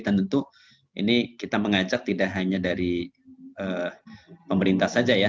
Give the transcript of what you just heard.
dan tentu ini kita mengajak tidak hanya dari pemerintah saja ya